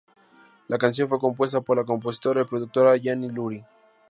La canción fue compuesta por la compositora y productora Jeannie Lurie.